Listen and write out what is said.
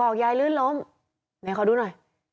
เดี๋ยวให้ขอดูหน่อย